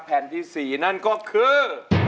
แผ่นที่๔นั่นก็คือ